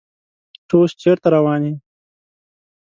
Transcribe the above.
ته اوس چیرته روان یې؟